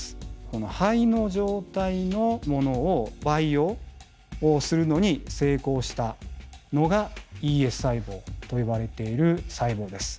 この胚の状態のものを培養するのに成功したのがＥＳ細胞と呼ばれている細胞です。